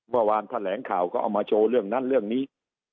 เมื่อวานแถลงข่าวก็เอามาโชว์เรื่องนั้นเรื่องนี้